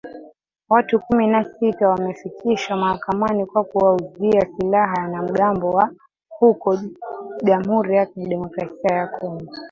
Watu kumi na sita wamefikishwa mahakamani kwa kuwauzia silaha wanamgambo huko Jamhuri ya Kidemokrasia ya Kongo